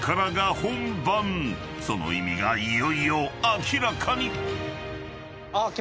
［その意味がいよいよ明らかに］